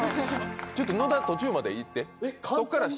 ちょっと野田途中まで行って。